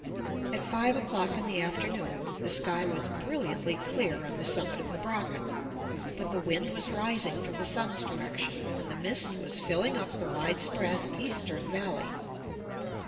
At five o'clock in the afternoon the sky was brilliantly clear on the summit of the Brocken; but the wind was rising from the sun's direction, and the mist was filling up the wide spread eastern valley.